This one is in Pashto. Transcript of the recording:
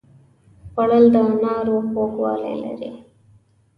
خوړل د انارو خوږوالی لري